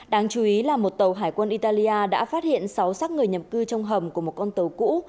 đáng chú ý là một tàu hải quân italia đã phát hiện sáu sát người nhập cư trong hầm của một con tàu cũ